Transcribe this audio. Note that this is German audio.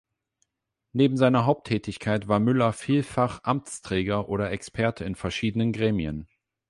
Neben seiner Haupttätigkeit war Müller vielfach Amtsträger oder Experte in verschiedenen Gremien.